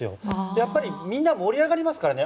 やっぱりみんな盛り上がりますからね。